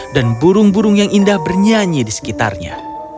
dan burung burung yang indah bernyanyi di sekitarnya